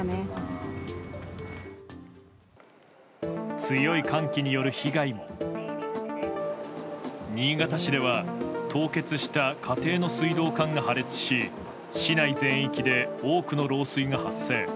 強い寒気による被害に新潟市では凍結した家庭の水道管が破裂し市内全域で多くの漏水が発生。